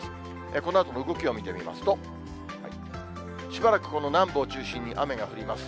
このあとの動きを見てみますと、しばらくこの南部を中心に雨が降ります。